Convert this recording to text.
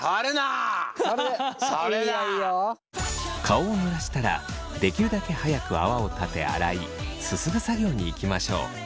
顔をぬらしたらできるだけ早く泡を立て洗いすすぐ作業にいきましょう。